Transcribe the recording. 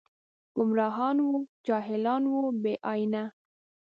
ګمراهان و جاهلان و بې ائينه